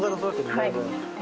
はい。